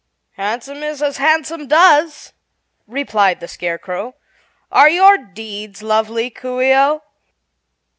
"Handsome is as handsome does," replied the Scarecrow. "Are your deeds lovely, Coo ce oh?"